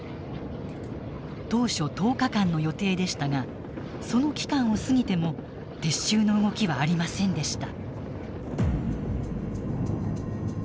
当初１０日間の予定でしたがその期間を過ぎても撤収の動きはありませんでした。